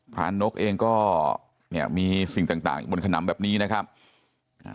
นกเองก็เนี่ยมีสิ่งต่างต่างอยู่บนขนำแบบนี้นะครับอ่า